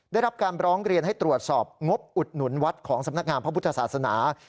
ได้รับการร้องเรียนให้ตรวจสอบงบอุดหนุนวัดของสำนักงานพระพุทธศาสนา